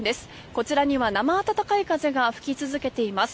こちらには生暖かい風が吹き続けています。